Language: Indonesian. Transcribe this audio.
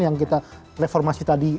yang kita reformasi tadi